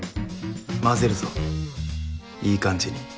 混ぜるぞいい感じに。